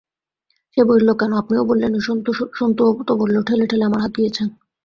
সে বলিল, কেন আপনিও বললেন, ওই সন্তুও তো বলল, ঠেলে ঠেলে আমার হাত গিয়েছে।